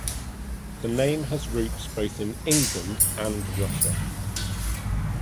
The name has roots both in England and Russia.